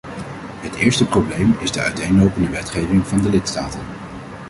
Het eerste probleem is de uiteenlopende wetgeving van de lidstaten.